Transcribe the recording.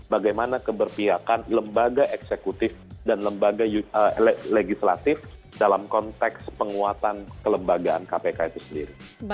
bagaimana keberpihakan lembaga eksekutif dan lembaga legislatif dalam konteks penguatan kelembagaan kpk itu sendiri